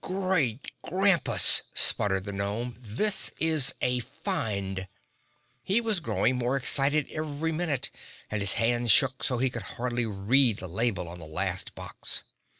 "Great Grampus!" spluttered the gnome, "this is a find!" He was growing more excited every minute and his hands shook so he could hardly read the label on the last box.